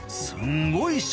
すごい。